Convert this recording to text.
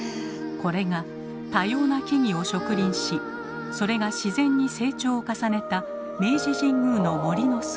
これが多様な木々を植林しそれが自然に成長を重ねた明治神宮の森の姿。